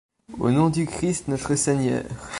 Au nom du Christ notre Seigneur.